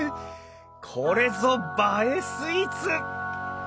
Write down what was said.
これぞ映えスイーツ！